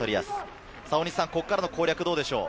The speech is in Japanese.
ここからの攻略、どうでしょうか？